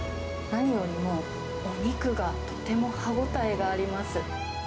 何よりも、お肉がとても歯応えがあります。